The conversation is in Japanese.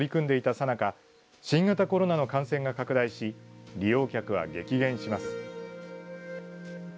さなか新型コロナの感染が拡大し利用客は激減します。